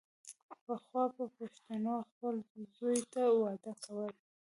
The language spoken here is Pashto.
پخوا به پښتنو خپل زوی ته واده کاوو.